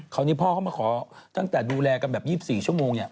คราวนี้พ่อเขามาขอตั้งแต่ดูแลกันแบบ๒๔ชั่วโมงเนี่ย